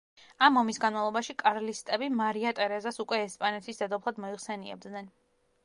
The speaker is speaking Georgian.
ამ ომის განმავლობაში, კარლისტები მარია ტერეზას უკვე ესპანეთის დედოფლად მოიხსენიებდნენ.